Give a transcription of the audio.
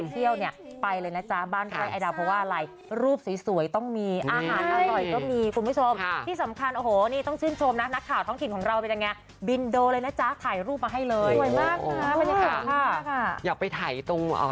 จะเป็นดาวที่นั่นก็ได้เนาะ